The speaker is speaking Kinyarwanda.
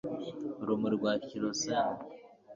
urumuri rwa kerosene